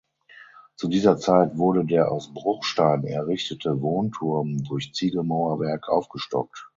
Zu dieser Zeit wurde der aus Bruchstein errichtete Wohnturm durch Ziegelmauerwerk aufgestockt.